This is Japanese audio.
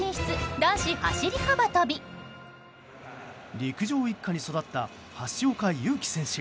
陸上一家に育った橋岡優輝選手。